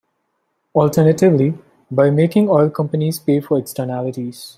Alternatively, by making oil companies pay for externalities.